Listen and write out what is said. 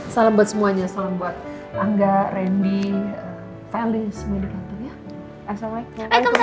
salam buat semuanya salam buat angga randy feli semua di kantor ya